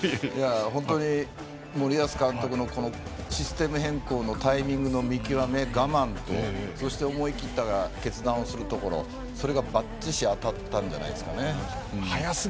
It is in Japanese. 本当に森保監督のシステム変更のタイミングの見極め我慢という、そして思い切った決断をするところそれがバッチシ当たったんじゃないかなと思います。